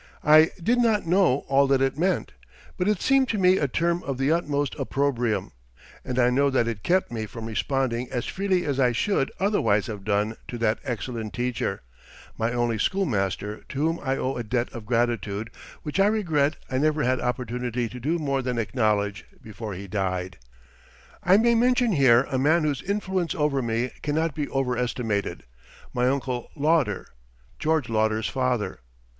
I did not know all that it meant, but it seemed to me a term of the utmost opprobrium, and I know that it kept me from responding as freely as I should otherwise have done to that excellent teacher, my only schoolmaster, to whom I owe a debt of gratitude which I regret I never had opportunity to do more than acknowledge before he died. I may mention here a man whose influence over me cannot be overestimated, my Uncle Lauder, George Lauder's father.